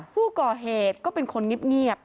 ผู้ก่อเหตุก็เป็นคนเงียบ